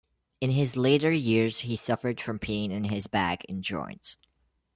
In his later years, he suffered from pain in his back and joints.